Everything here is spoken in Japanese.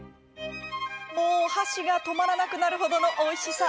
もう箸が止まらなくなる程のおいしさ